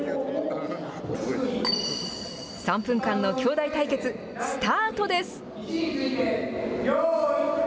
３分間の兄弟対決、スタートです。